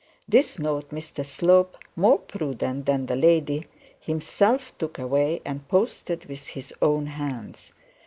This note Mr Slope, more prudent than the lady, himself took away and posted with his own hands.